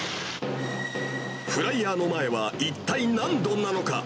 フライヤーの前は一体何度なのか。